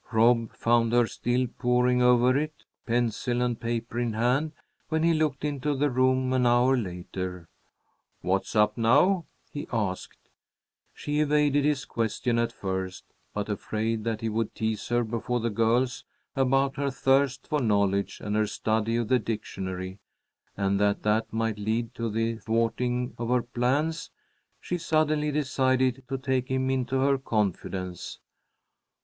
Rob found her still poring over it, pencil and paper in hand, when he looked into the room an hour later. "What's up now?" he asked. She evaded his question at first, but, afraid that he would tease her before the girls about her thirst for knowledge and her study of the dictionary, and that that might lead to the thwarting of her plans, she suddenly decided to take him into her confidence.